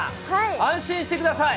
安心してください。